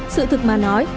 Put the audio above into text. sự thực mà nói